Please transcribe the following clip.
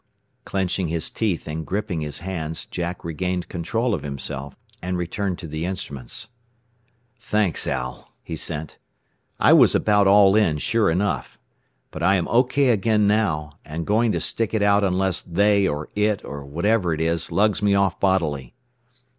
Clenching his teeth and gripping his hands Jack regained control of himself, and returned to the instruments. "Thanks, Al," he sent. "I was about all in, sure enough. But I am OK again now, and going to stick it out unless 'they,' or 'it,' or whatever it is, lugs me off bodily."